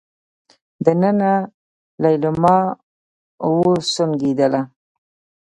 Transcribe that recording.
دننه ليلما وسونګېدله.